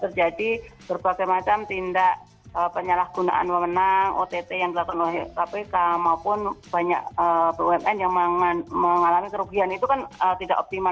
terjadi berbagai macam tindak penyalahgunaan wewenang ott yang dilakukan oleh kpk maupun banyak bumn yang mengalami kerugian itu kan tidak optimal